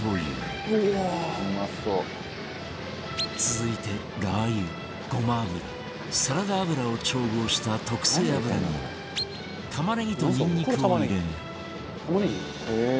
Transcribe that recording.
続いてラー油ごま油サラダ油を調合した特製油に玉ねぎとニンニクを入れ「玉ねぎ？」「へえー」